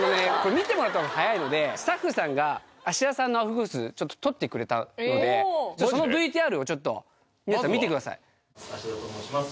見てもらったほうが早いのでスタッフさんが芦田さんのアウフグース撮ってくれたのでそのＶＴＲをちょっと皆さん見てください芦田と申します